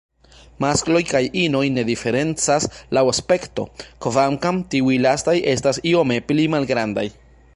Maskloj kaj inoj ne diferencas laŭ aspekto, kvankam tiuj lastaj estas iome pli malgrandaj.